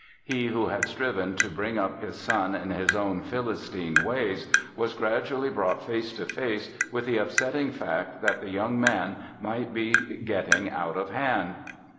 He who had striven to bring up his son in his own Philistine ways was gradually brought face to face with the upsetting fact that the young man might be getting out of hand!